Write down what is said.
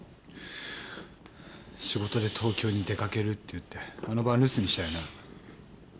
仕事で東京に出かけるって言ってあの晩留守にしたよな。